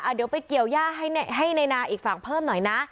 เดี๋ยวไปเกี่ยวย่าให้ในนาอีกฝั่งเพิ่มหน่อยนะ